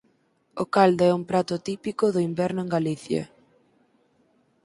O caldo é un prato típico do inverno en Galicia.